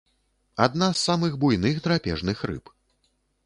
Адна з самых буйных драпежных рыб.